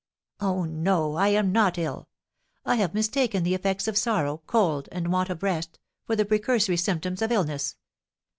Oh, no, I am not ill; I have mistaken the effects of sorrow, cold, and want of rest, for the precursory symptoms of illness.